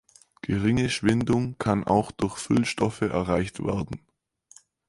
Geringe Schwindung kann auch durch Füllstoffe erreicht werden.